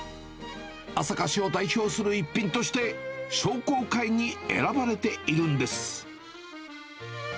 朝霞市を代表する逸品として、商工会に選ばれているんです。